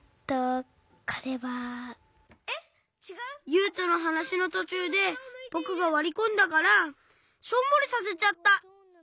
ゆうとのはなしのとちゅうでぼくがわりこんだからしょんぼりさせちゃった。